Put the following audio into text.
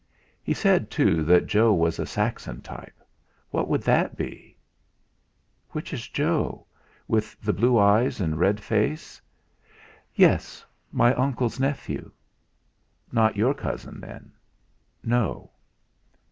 "He said, too, that Joe was a Saxon type. What would that be?" "Which is Joe? With the blue eyes and red face?" "Yes. My uncle's nephew." "Not your cousin, then?" "No."